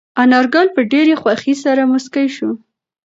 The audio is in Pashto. انارګل په ډېرې خوښۍ سره موسکی شو.